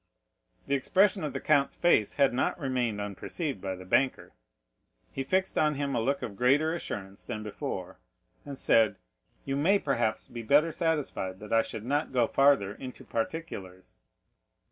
The expression of the count's face had not remained unperceived by the banker; he fixed on him a look of greater assurance than before, and said: "You may, perhaps, be better satisfied that I should not go farther into particulars."